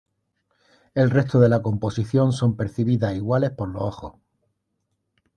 El resto de la composición son percibidas iguales por los ojos.